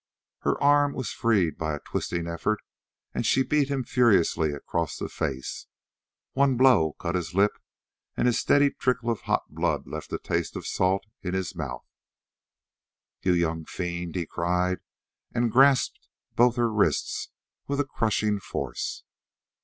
Her arm was freed by a twisting effort and she beat him furiously across the face. One blow cut his lip and a steady trickle of hot blood left a taste of salt in his mouth. "You young fiend!" he cried, and grasped both her wrists with a crushing force.